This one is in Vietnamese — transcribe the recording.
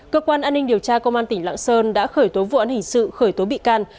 cơ quan an ninh điều tra công an tỉnh lạng sơn đã khởi tố vụ án hình sự khởi tố bị can